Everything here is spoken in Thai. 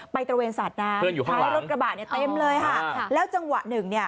ไปตระเวนสาธารณะพารถกระบะเต็มเลยค่ะแล้วจังหวะหนึ่ง